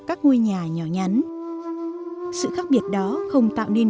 các ngôi nhà nhỏ nhắn sự khác biệt đó không tạo nên